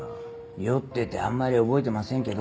酔っててあんまり覚えてませんけど。